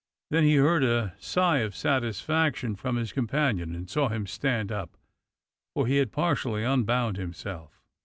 Then he heard a sigh of satisfaction from his companion, and saw him stand up, for he had partially unbound himself.